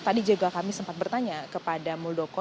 tadi juga kami sempat bertanya kepada muldoko